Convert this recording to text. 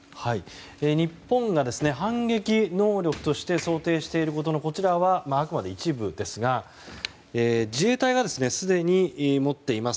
日本が反撃能力として想定していることのあくまで一部ですが自衛隊がすでに持っています